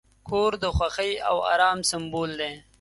کور د خوښۍ او آرام سمبول دی.